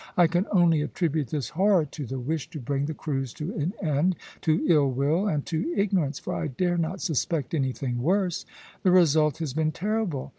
I can only attribute this horror to the wish to bring the cruise to an end, to ill will, and to ignorance; for I dare not suspect anything worse. The result has been terrible.